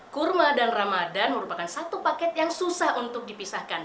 kurma dan ramadan merupakan satu paket yang susah untuk dipisahkan